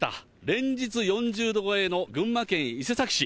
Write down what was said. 連日４０度超えの群馬県伊勢崎市。